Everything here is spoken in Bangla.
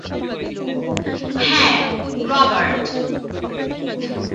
হ্যাঁ, রবার্ট।